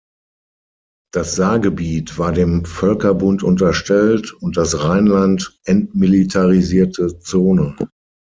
Das Saargebiet war dem Völkerbund unterstellt und das Rheinland entmilitarisierte Zone.